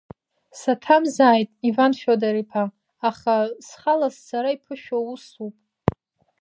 Саҭамзааит, Иван Фиодор-иԥа, аха сха ла сцара иԥышәоу усуп.